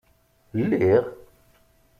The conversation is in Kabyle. Lliɣ?